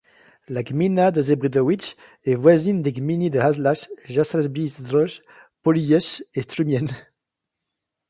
La gmina de Zebrzydowice est voisine des gminy de Hażlach, Jastrzębie-Zdrój, Pawłowice et Strumień.